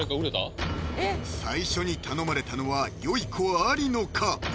最初に頼まれたのは「よゐこ」・有野か？